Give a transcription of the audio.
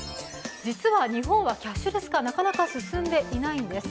実は日本はキャッシュレス化なかなか進んでいないんです。